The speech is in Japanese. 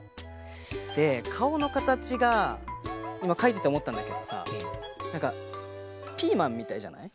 でかおのかたちがいまかいてておもったんだけどさなんかピーマンみたいじゃない？